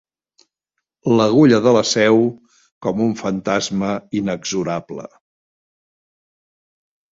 L'agulla de la Seu, com un fantasma inexorable.